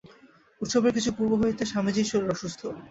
উৎসবের কিছু পূর্ব হইতে স্বামীজীর শরীর অসুস্থ।